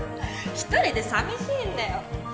一人でさみしいんだよ。